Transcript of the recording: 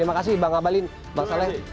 terima kasih bang ngabalin bang saleh